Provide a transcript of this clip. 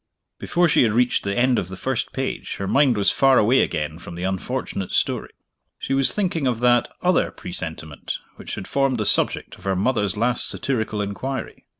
Before she had reached the end of the first page, her mind was far away again from the unfortunate story. She was thinking of that "other presentiment," which had formed the subject of her mother's last satirical inquiry.